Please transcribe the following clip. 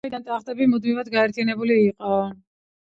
იმ დროიდან ტახტები მუდმივად გაერთიანებული იყო.